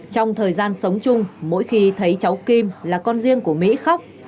trong thời gian sống chung mỗi khi thấy cháu kim là con riêng của mỹ khóc